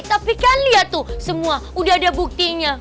tapi kalian tuh semua udah ada buktinya